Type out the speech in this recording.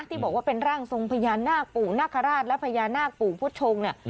ที่บอกว่าเป็นร่างทรงพญานาคปู่นาคาราชและพญานาคปู่พุทธชงเนี่ย